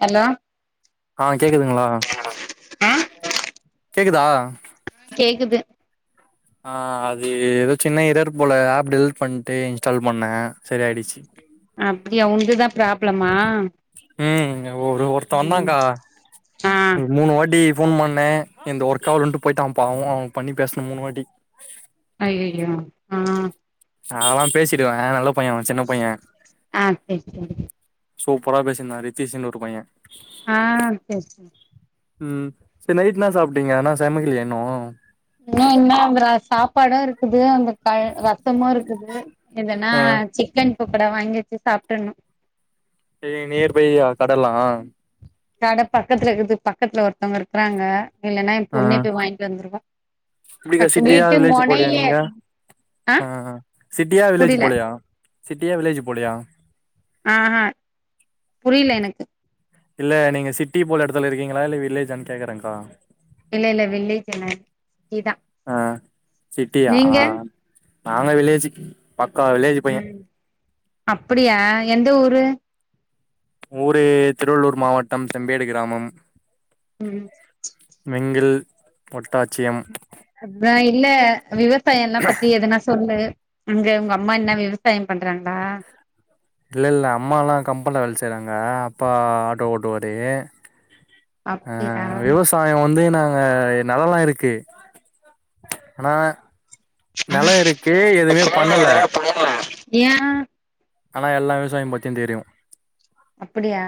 hello ஆ கேக்குதுங்ளா ஆ கேக்குதா கேக்குது ஆஹ அது ஏதோ சின்ன இரர் போல ஆப் டெலீட் பண்ட்டு இன்ஸ்டால் பண்ணே சரி ஆயிடுச்சு அப்டியா உங்குள்து தா ப்ராப்ளமா ம் ஒ ஒருத்த ம் வந்தாக்கா ஆ ஒரு மூணு வாட்டி ஃபோன் பண்ணே இந்த ஒர்க ஆவுலோன்ட்டு போயிட்டா அவன் பாவ்வே அவெ பண்ணி பேசணூ மூணூ வாட்டி ஐய்யய்யோ ஆ நால்லா பேசிடுவே நல்ல பையே அவெ சின்ன பையே ஆ செரி செரி சுப்பரா பேசிருந்தா ரித்தீஷன்னு ஒரு பையே ஆ பேஸ் ங்க ம் சர் நைட் ன்னா சாப்ட்டீங்க ஏன்னெ சமைக்கிலயா இண்ணூ இன்னூ என்ன அந்த ர சாப்பாடூ இருக்குது அந்த கழ் ரசமோ இருக்குது இல்லெனா ஆ சிக்கன் பொக்கடா வாங்கி வச்சு சாப்ட்ர்ணூ செரி நியர் பை அது கடல்லா கடை பக்கத்துல இருக்கு பக்கத்துல ஒருத்தவங்க இர்க்கிறாங்க இல்லென்னா ஏ பொண்ணே போய் வாங்கிட்டு வந்ரூ நீங்க சிட்டியா வில்லேஜ் போலயா நீங்க ‌அ ஆ சிட்டியா வில்லேஜ் புரில போலயா சிட்டியா வில்லேஜ் போலயா ஹெ ஹேங் புரில்ல எனக்கு இல்ல நீங்க சிட்டி போல எடத்துல இருக்கீங்களா இல்ல விலேஜ்ன் கேக்குறேங்கா இல்லெ இல்லெ வில்லேஜ் இல்ல சீ தா ஆ சிட்டியா ஆஹ் ஹா நாங்க வில்லேஜ் பக்கா வில்லேஜ் பைய சென் அப்படியா எந்த ஊரு ஊரு திருவள்ளூர் மாவட்டம் செம்பேடு கிராமம் ம் மிங்கில் ஒட்டாட்சியம் அத்தா இல்லெ விவசாயோ என்ன பத்தி எதனா சொல்லு அங்க உங்க அம்மா என்ன விவசாயோ பண்றாங்களா இல்ல இல்ல அம்மலா கம்பெனில வேல செய்றாங்க அப்பா ஆட்டோ ஓட்டுவாரு ஆ அப்படியா விவேஸ்த் தாயோ வந்து நாங்க நெலலா இருக்கு அனா நெலோ இருக்கு எதுமேப் பண்ணல ஏ ஆனா எல்லா விவசாயம் பத்தியுந் தெரியு அப்புடியா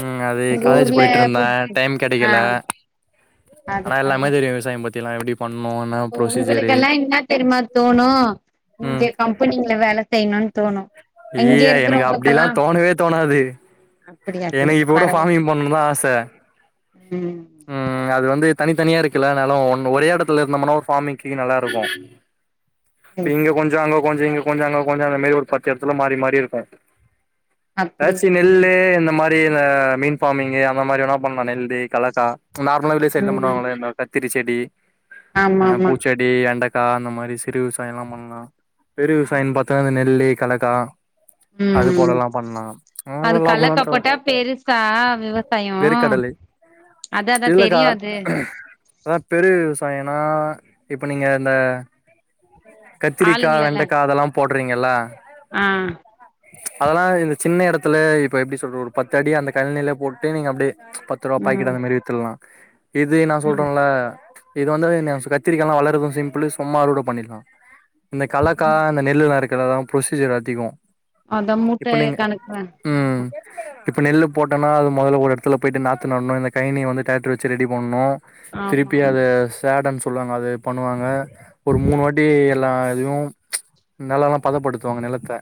ம் அது காலேஜூ போயிட்ருந்தே டைம் ஆ கெடைகல ஆனா அதுக்காக எல்லாமே தெரியு விவசாயம் பத்திலா எப்டிப் அப்போ உங்குளுக்கெல்லா என்னத் தெரிமாத் தோணு ம் இங்க கம்பெனிங்ல வேல செய்ணுன் தோணு இங்கே ஐய்யய்ய எனக்கு அப்டிலா இருக்கறவுங்களுக்கெல்லாம் எனகு இப்போ கூட ஃபார்மிங் பண்ணனுதா ஆச ம் இங்க அது வந்து தனித்தனியா இருக்கில அன்னால ஒன்னு ஒரே எடத்துல இருந்தமனா ஒரு ஃபார்மிங்கி நல்லாருகு இப்ப சரி இங்க கொஞ்சோ அங்க கொஞ்சோ இங்க கொஞ்சோ அங்க கொஞ்சோ அந்த மேரி ஒரு பத்து எடத்துல மாரி மாரி இருக்கு ஆச்சி அப்படியா நெல்லு இந்த மாரி இந்த மீன் ஃபார்மிங்கு அந்த மாரி வேணாப் பண்லா நெல்லு கலக் கா நார்மலா வில்லேஜ் சைட்லாம் ம் பண்ணுவாங்கல்ல இந்த கத்திரிசெடி ஆமா அ ஆமா பூச்செட் டி அண்டக்கா அந்த மாரி சிறு விவசாயலாம் பண்லா பெரு விவசாயன் பாத்தா இந்த நெல்லு கலகா ம் ம் அதெல்லா அதுக் லாபந்தா கலக்காப் தரு போட்டா பெருசா விவச் சயோ வேர்க்கடலை இல்லக்கா அதாப் பெரு விவசாயனா இப்ப நீங்க இந்த கத்திரிக்கா ஆளுங்களல்லா வெண்டக்கா அதெலாம் போட்றீங்கில்ல ஆ அதலா இந்த சின்ன எடத்துல இப்ப எப்டி சொல்ற ஒரு பத்து அடி அந்தக் கழநிலப் போட்டு நீங்க அப்டே பத் த்துருவாப் ம் பாக்கிட்டு அந்த மாரி வித்துல்லா இது நா ம் சொல்றேல்ல இது வந்து எனையசு கத்திரிகாலா வளரது சிம்பிளு சும்மா அறுவட பண்ணில்லா இந்தக் கலக்கா இந்த நெல்லுலா இருககதாம் பிரொசீஜர் அதிகோ அதா மூட்ட இப்ப நீங்க கணக்றே ஆமா ம் இப்ப நெல்லுப் போட்டோனா அது மொதல ஒரு எடத்துல போயி்ட்டு நாத்து நட்னு இந்தக் கைனிய வந்து டிராக்டர் வெச்சு ரெடி பண்ணு ஆமா திருப்பி அதச் சேடன் சொல்லுவாங்க அது பண்ணுவாங்க ஒரு மூனு வாட்டி எல்லா இதையும் நெலலாம் பதப்படுத்துவாங்க நிலத்த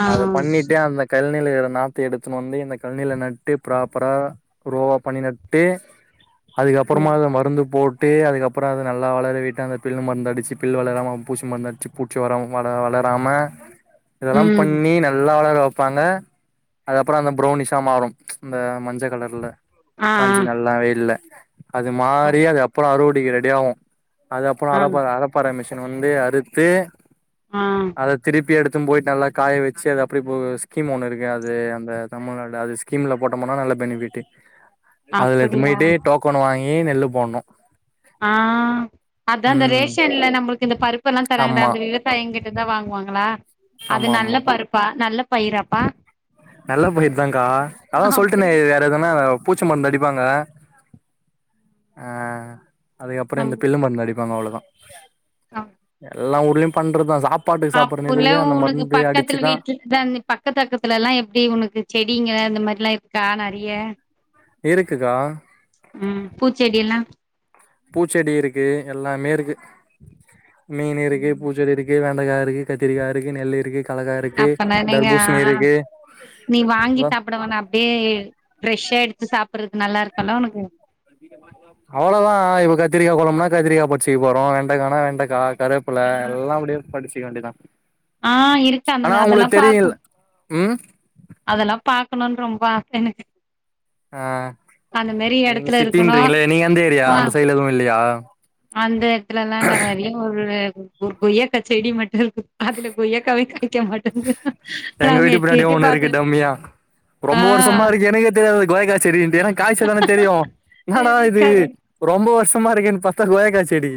ஆமா ஆ அதப் பண்ணிட்டே அந்தக் கழ்னில இகர நாத்த எடுத்துனு வந்து இந்த கழ்னில நட்டு ப்ராப்பரா ரோவாப் பண்ணி நட்டு அதுகப்பறமா ம் அத மருந்து போட் ட்டு அதுகப்பறோ அது நல்லா வளரவிட்டு அந்தப் பில்லு மருந்த அடிச்சி பில்லு வளராம பூசி மருந்த அட்ச்சிப் பூட் ச்சோறோ வள வளராமே இதலாம் ம் பண்ணி நல்லா வளர வெப்பாங்க அது அப்பறோ அந்த ப்ரௌனிஷா மாறும் இந்த மஞ்சக் கலர்ல ஆ காஞ்சி நல்லா வெயில்ல அது ஆ மாரி அது அப்பறோ அறுவடைகு ரெடியாவு அது அப்பறோ ஆ அளப்ப அளப் பர மிசின் வந்து அறுத்து ஆ அதத் திருப்பி எடுத் தும் போயிட் நல்லாக் காய வெச்சு அது அப்டிபோ ஸ்கீம் ஒன்னு இருகு அது அந்த தமிழ்நாடு அதுச் கீமிலப் போட்டமனா நல்ல பெனிஃபிட்டு அப்புடியா போக்கோனு வாங்கி நெல்லுப் போன்னு ஆ அதா இந்த ம் ரேஷன்ல நம்ளுக்கு இந்தப் பருப்பு எல்லாந் தராங்ளே ஆமா அந்த விவச் சாயங்கிட்டுதா வாங்வாங்களா அது ஆமா ஆமா நல்லப் பருப்பா நல்லப் பயிராப்பா நல்லப் பயிர்தாங்க்கா அதா சொல்ட்டனே இத டே தான பூச்ச மருந்து அடிப்பாங்க அ அதுக்கப்றோ அப்டி இந்த பில்லு மருந்து அடிப்பாங்க அவ்ளோதா எல்லா ஊர்லயு பண்றதா சாப்பாட்டுக்கு சாப்பிடுறோன் அப்போல்லா சொல்லி அந்த உனக்கு மருந்து பக்கத்துல அடிச்சுதா வீட்ல தா அந்த பக்க பக்கத்துல எல்லா எப்டி உனக்கு செடிங்க இந்த மாரிலா இருக்கா நெறிய இருக்குக்கா பூச்செடி எல்லா பூச்செடி இருக்கு எல்லாமே இருக்கு மீன் இருக்கு பூச்செடி இருக் கு வெண்டகா இருக்கு கத்திரிகா இருக்கு நெல்லு இருக்கு கலக்கா இருக்கு அப்பனா நீங்க தர்பூசணி இருக்கு நீ வாங்கி அதா சாப்ட வேணா அப்டியே ஃப்ரெஷ்ஷா எடுத்து சாப்பிட்றது நல்லா இருக்குல்ல உனக்கு அவ்ளோதா இப்ப கத்திரிக்கா குழம்புனா கத்திரிக்கா பச்சிக்க போறோ வெண்டக்கானா வெண்டக்கா கருவாப்பல எல்லா அப்டியே பறிச்சுக்க வேண்டியதா ஆ இருக்கு அந்த ஆனா மா அதெல்லா உங்களுக் பாக்கு தெரியுல் ம் அதெல்லா பாக்கணுன் ரொம்ப ஆச எனக்கு ஆ அந்த மாரி நீங்க எடத்துல இருக்கணு சிட்டின்றீங்களே நீங்க எந்த ஏரியா பா அந்த சைட்ல எதுவு இல்லயா அந்த எடத்துலல்லா இல்ல ஒரே ஒரு ஒரு கொய்யாக்கா செடி மட்டு இருக்கு அதுல கொய்யாகாவே காய்க்க மாட்டோங்குது நா எங்க அங்க வீட்டு எட்டி பின்னாடியே எட்டி ஒண்ணு இருக்கு பாத்தே டம்மியா ரொம்ப வருஷமா இருக்கு எனக்கே தெரியாது இது கொய்யாக்கா செடின்ட்டு ஏனா காய்ச்சா தான தெரியு என்னடா செரிய இது கரெக்ட் ரொம்ப வருஷமா இருக்கேன் பாத்தா கொய்யாக்கா செடி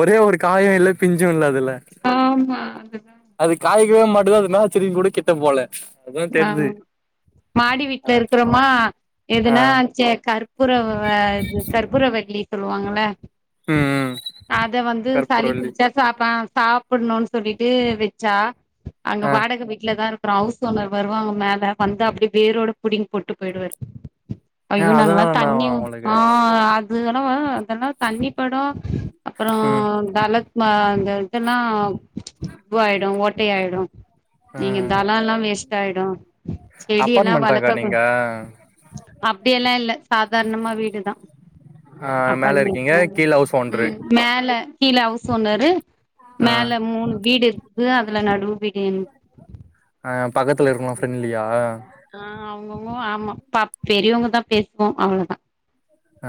ஒரே ஒரு காயு இல்ல பிஞ்சு இல்ல அதுல ஆமா அதுதா அது காய்க்கவே மாட்டுது அது என்னாச் செடினு கூட கிட்ட போல அதா ஆ தெரிது மாடி வீட்ல ஆ இருக்றோமா ஆ எதுனா ச கருப் கற்பூறவ இது கற்பூர வல்லின் சொல்லுவாங்கள்ல ம் ம் அத வந்து சளி கற்பூரவள்ளி பிடிச்சா சாப்ப சாப்பிட்ணுன் சொல்லிட்டு வச்சா அங்க ஆ வாடக வீட்ல தா இருக்றோ ஹவுஸ் ஓனர் வருவாங்க மேல வந்து அப்டி வேரோட புடுங்கி போட்டு போயிடுவாரு அய்யோ ஆ நாங்கல்லா அதனால தண்ணி என்னாவா ஊத் உங்களுக்கு ஆ அத் அது சொன்னாவ அதெல்லா தண்ணி படு அப்றோ ம் தலத்மா அந்த இதெல்லா இதுவாயிடு ஓட்டை ஆயிடு எங்க ம் தளோல்லா வேஸ்ட் ஆயிடு செடி எல்லா அப்பார்ட்மெண்ட்டாக்கா வளக்க கூ நீங்க அப்டி எல்லா இல்ல சாதாரணமா வீடுதா ஆ மேல இருக்கீங்க அப்பாட்மென்ட்லா இல்ல கீழ ஹவுஸ் ஓன்ரு ம் மேல கீழ ஹவுஸ் ஓனரு ஆ மேல மூணு வீடு இருக் இதுல அதுல நடு வீடு என்து அ பக்கத்ல இருக்கவங்ளா ஃப்ரெண்ட்லியா ஆ அவங்கவுங்க ஆமா பா பெரியவங்க தா பேசுவோ அவ்ளோதா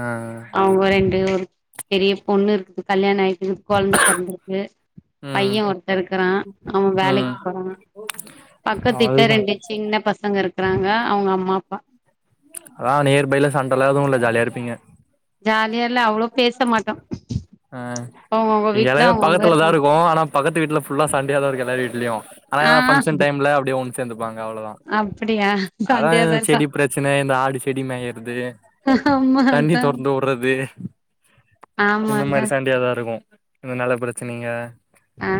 அ அ அவுங்க ரெண்டு ஒரு பெரிய பொண்ணு இருக்கு கல்யாணோ ஆயிட்டு கொழந்த பொறந்துருக்கு ம் பைய ஒருத்த இருக்குறா அவ ம் வேலைக்கு போறா பக்கத்து வீட்ல அவ்ளதா ரெண்டு சின்ன பசங்க இருக்குறாங்க அவுங்க அம்மா அப்பா அதா நியர் பையில சண்டல்லா எதுவு இல்ல ஜாலியா இருப்பீங்க ஜாலியா இல்ல அவ்ளோ பேச மாட்டோ அ அவங்கவுங்க இங்க வீட்ல எல்லாமே அவங்கவுங்க பக்கத்துலதா இருப்பாங்க இருக்கு ஆனா பக்கத்து வீட்ல ஃபுல்லா சண்டையாதா இருக்கு எல்லார் வீட்லயு ஆனா எதா ஆ ஃபங்க்ஷன் டைம்ல அப்டியே ஒன்னு சேந்துப்பாங்க அவ்ளோதா அப்டியா அதா சண்டையாதா இருக்கா செடி பிரச் சின இந்த ஆடு செடி மேயுறது ஆமா தண்ணி அதா தொறந்து வுட்றது இந்த ஆமாங்க மாரி சண்டையாதா இருக்கு இந்த நெல பிரச்சனைங்க ஆ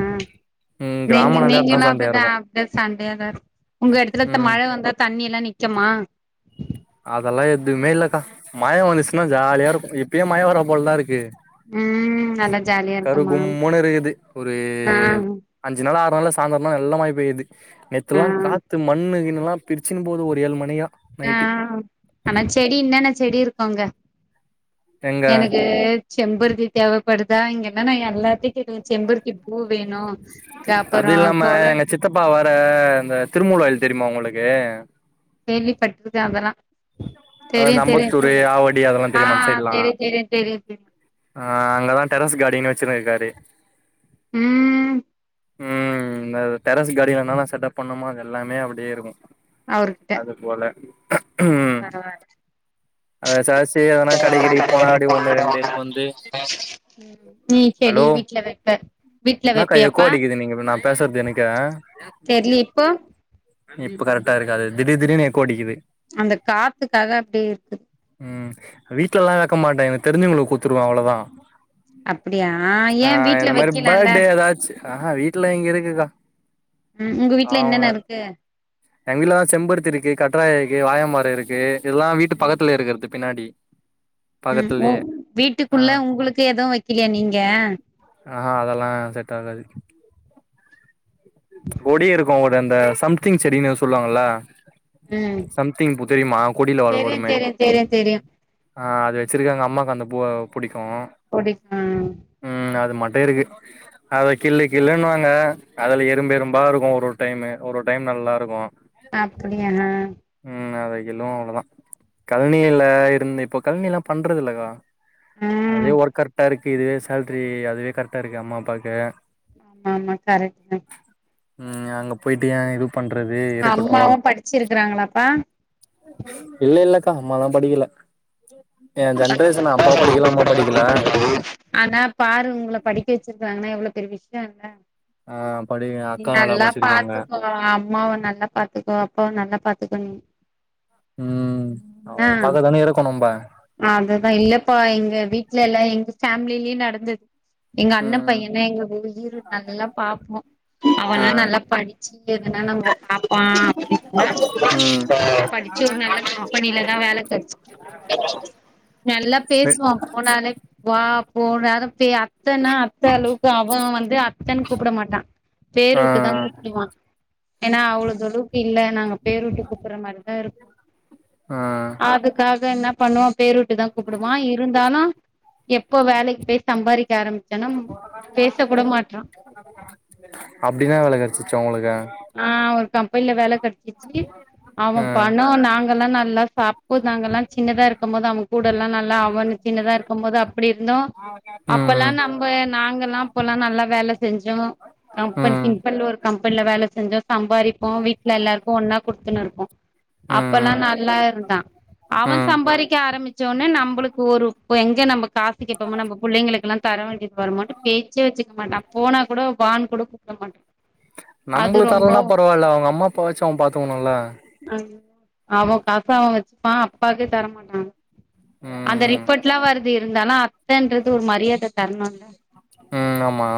ம் நீங்க கிராமனாலே அதா நீங்கல்லா சண்டையா அப்டிதா இருக்கு அப்டிதா சண்டையா தா இருக் உங்க எடத்துல ம் மழ வந்தா தண்ணியெல்லா நி க்குமா அதெல்லா எதுவுமே இல்லக்கா மழ வந்துச்சுன்னா ஜாலியா இருக்கு இப்பயே மழ வரப் போலதா இருக்கு ம் நல்லா ஜாலியா கரு இருக்குமா கும்முன்னு இருக்குது ஒரு ஆ அஞ்சு நாள் ஆறு நாள்ல சாய்ந்தறனா நல்லா மழ பெய்யுது நேத்தெல்லா ஆ காத்து மண்ணு கிண்ணுல்லா பிரிச்சின்போது ஒரு ஏழு மணிக்கா நைட்டு அ ஆனா செடி என்னென்ன செடி இருக்கு அங்க எங்க எனக்கு செம்பருத்தி தேவப்படுதா இங்கென்னன்னா எல்லாத்தயு கேட்டே செம்பருத்தி பூ வேணு அது கப்பறோ இல்லாம தொள எங்க சித்தப்பா வேற இந்த திருமுலாயில் தெரியுமா உங்களுக்கு கேள்விப்பட்ருக்கே அதெல்லா அதா தெரியு அந்த தெரியு அம்பத்தூரு சொல்லு ஆவடி அதெல்லா ஆ தெரியுமா அந் சைட்ல்லா தெரியு தெரியு தெரியு தெரியு அ அங்கதா டெரஸ் கார்டினு வெச்சின்னுருக்காரு ம் ம் இந்த டெரஸ் கார்டில என்னன்ன செட்டப் பண்ணும்மோ அது எல்லாமே அப்டியே இருக்கு அவர்கிட்ட அது போல பரவால்ல அது சாஸ் ட்டு எதனா கடைக் கிடைக்குப் போனா அப்டி ஒண்ணு ரெண்டு எத்துன்னு வந்து ம் நீ செடி ஹலோ வீட்ல வைப்ப வீட்ல இன்னாக்கா எக்ககோ வைப்பியாப்பா அடிக்கிது நீங்க நா பேசறது எனக்கே தெர்லயே இப்போ இப்ப கரெக்டா இருக்காது திடீ திடீர்னு எக்கோ அடிக்குது அந்த காத்துக்காக அப்டியே இருக்குது ம் வீட்லல்லா வெக்க மாட்டே எனக்கு தெரிஞ்சவங்ளுக்கு குத்துருவ அவ்ளதா அப்டியா அ ஏ வீட்ல இந்த மாரி வைக்கலால்ல படே எதாச்சு அ அ வீட்ல இங்க இருக்குக்கா ம் உங்க வீட்ல என்னென்ன இருக்கு எங் வீட்லல்லா செம்பருத்தி இருக்கு கட்றாய இருக்கு வாழ மரோ இருக்கு இதெல்லா வீட்டு ம் பக்கத்துல இருக்கறது பின்னாடி ம் உ பக்கத்துலயே ஆ வீட்டுக்குள்ள உங்களுக்கு எது வெக்கிலியா நீங்க ஆ ஆ அதெல்லா செட்டாகாது கொடியே இருக்கு ஒரு அந்த சம்திங் செடின்னு சொல்லுவாங்கல்ல ம் சம்திங் பூ தெரியுமா கொடியில வர தெரியு வருமே தெரியு தெரியு தெரியு ஆ அது வெச்சிருக்காங்க அம்மாக்கு அந்த பூவ புடிக்கு புடிக்கு ம் அது மட்டு இருக்கு அத கிள்ளு கிள்ளுன்னுவாங்க அதுல எறும் எறும்பா இருக்கு ஒரு ஒரு டைமு ஒரு ஒரு டைம் நல்லா இருக்கு அப்டியாணா ம் அத கிள்ளு அவ்ளதா கழனியில இருந்து இப்போ கழனில்லா பண்றது இல்லக்கா அதே ம் ஒர்க் கர்ட்டா இருக்குது சேல்ரி அதுவே கர்ட்டா இருக்கு அம்மா அப்பாக்கு ஆமா ஆமா கரெக்ட் தா ம் அங்க போயிட்டு ஏ இது பண்றது தா இருக்கட்டு அம்மாவு படிச்சிருக்கறாங்களாப்பா இல்லல்லக்கா அம்மாலா படிக்கல எ ஜென்ரேஷனு அப்பா படிக்கலா அம்மா படிக்கலா ஆனா பாரு உங்கள படிக்க வெச்சிருக்காங்கன்னா எவ்ளா பெரிய விஷ்யோ இல்ல ஆ படி நீ அக்கா நல்லா படிச்சிருக்காங்க பாத்துக்கோ அம்மாவ நல்லா பாத்துக்கோ அப்பாவ நல்லா பாத்துக்கோ நீ ம் அவங்கள என்ன பாக்க தானே இருக்கோ நம்ப அதுதா இல்லப்பா எங்க வீட்லல்லா எங்க ஃபேமிலிலையு நடந்தது எங்க அண்ண ம் பையனா எங்ளுக்கு உசிறு நல்லா பாப்போ ஆ அவன நல்லா படி சி எதுனா நம்போ அப்பா ம் அப்ப படிச்சு ஒரு நல்ல கம்பெனிலதா வேல கடச்சு நல்லா பேசுவா போனாலே வா போனு அனுப்பி அத்தன்னா அத்த அளவுக்கு அவ வந்து அத்தன்னு கூப்ட மாட்டா ஆ பேரூட்டு தா கூப்புடுவா ஏனா அவ்ளோ தொலுக்கு இல்ல நாங்க பேருட்டு கூப்பற மாரிதாருக்கு ஆ அதுக்காக என்ன பண்வா பேரூட்டி தா கூப்புடுவா இருந்தாலு எப்ப வேலைக் போயி சம்பாரிக்க ஆரம்பிச் அப்டிதா வேல கடச்சுசா உங்ளுக்கு ஆ ஒரு கம்பெனில வேல கெடைச்சிச்சு அவன் ம் பணோ நாங்கல்லா நல்லா அப்போ னாங்கல்லா சின்னதா இருக்கும் போது அவன் கூடல்லா நல்லா அவனு சின்னதா இருக்கு போது அப்டி இருந்தோ ம் அப்பல்லா நம் அப்ப நாங்கல்லா அப்பலா நல்லா வேல செஞ்சோ கம்பெனி ம் சிப்பல்ல ஒரு கம்பெனில வேல செஞ்சோ சம்பாரிப்போ வீட்ல எல்லாருக்கு ஒன்னா குடுத்துனு இருப்போ அப்பல்லா ம் நல்லா இருந்தா அவன் ம் சம்பாதிக்க ஆரம்பிச்சோனே நம்ளுக்கு ஒரு இப்ப எங்க நம்ப காசு கேப்போமோ நம்ப புள்ளைங்களுக் எல்லா தர வேண்டியது வருமோனு பேச்சே வெச்சுக்க மாட்டான் போனா கூட வானு கூட கூப்புட மாட்டான் நம்புளுக் தரலன்னா பரவால்ல அவங்க அம்மா அப்பா வாச்சு அவன் பாத்துக்கணுல அவன் காசே அவன் வச்சுப்பான் அப்பாக்கே தரமாட்டான் அந்த ம் ரிப்போர்ட் எல்லா வருது இருந்தாலு அத்தோன்றது ஒரு மரியாத தரணுல ம் ஆம்மா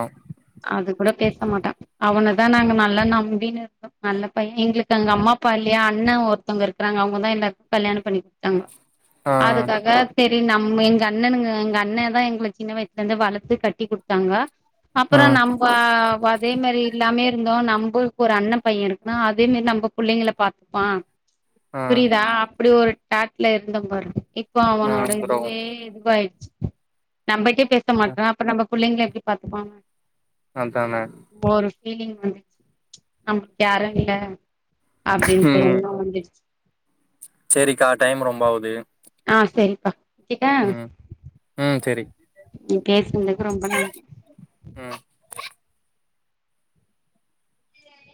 அது கூட பேச மாட்டா அவனதா நாங்க நல்லா நம்பின்னு நல்ல பைய எங்ளுக்கு எங்க அம்மா அப்பா இல்லையா அண்ண ஒருத்வுங்க இருக்கிறாங்க அவங்க தா எல்லாருக்கு கல்யாணம் பண்ணிக் குடுத்தாங்க ஆ அதுக்காக சேரி நம்ம எங்க அண்ணனுங்க எங்க அண்ணன் தா எங்கள சின்ன வயசுல இருந்து வளர்த்து கட்டி குடுத்தாங்க ஆ அப்றோ நம் ப அதே மாரி இல்லாமே இருந்தோ நம்பளுக்கு ஒரு அண்ண பைய இருக்கா அதே மேரி நம்ப புள்ளைங்கள பாத்துப்பா ஆ புரியுதா அப்டி ஒரு டாட்ல இருந்தோ பார இப்ப ஆ அவனோட ப்ரோ இதுவே இதுவாயிடுச்சு நம்மிட்டே பேச மாட்ரா அப்புற நம்ப கூட புள்ளைங்கள எப்டி பாத்துப்பா அத்தான ஒரு பீலிங் வந்துச்சு நம்ளுக்கு யாரு இல்ல அப்டீன்ட்டு ம் எல்லா வந்துருச்சு சேரிக்கா டைம் ரொம்ப ஆகுது ஆ சேரிப்பா ம் ம் சேரி நீ பேசுனதுக்கு ரொம்ப நன்றி ம்